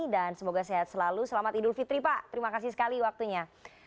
dan semoga sehat selalu selamat idul fitri pak terima kasih sekali waktunya